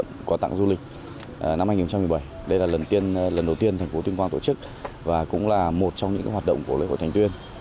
năm hai nghìn một mươi bảy đây là lần đầu tiên thành phố tuyên quang tổ chức và cũng là một trong những hoạt động của lễ hội thành tuyên